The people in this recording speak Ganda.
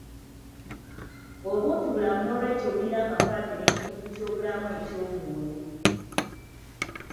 Obuntubulamu n'olwekyo bulina akakwate n'ekitundu ky'obulamu eky'omwoyo